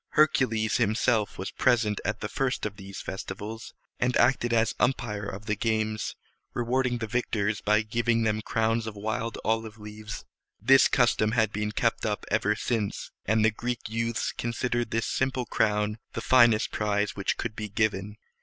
Hercules himself was present at the first of these festivals, and acted as umpire of the games, rewarding the victors by giving them crowns of wild olive leaves. This custom had been kept up ever since, and the Greek youths considered this simple crown the finest prize which could be given.